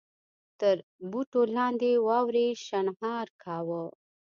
تر بوټو لاندې واورې شڼهار کاوه.